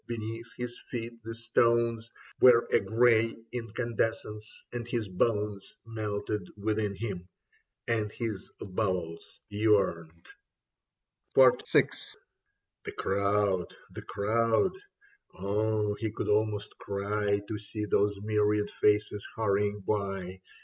Beneath his feet the stones Were a grey incandescence, and his bones Melted within him, and his bowels yearned. Soles Occidere et Redire Possunt 69 VI THE crowd, the crowd — oh, he could almost cry To see those myriad faces hurrying by.